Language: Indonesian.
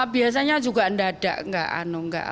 biasanya juga enggak